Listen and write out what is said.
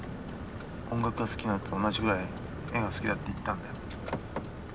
音楽が好きなのと同じぐらい絵が好きだって言ったんだよ。